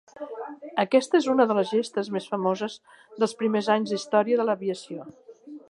Aquesta és una de les gestes més famoses dels primers anys d'història de l'aviació.